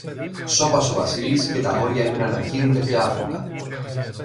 Σώπασε ο Βασίλης, και τ' αγόρια έμειναν ακίνητα και άφωνα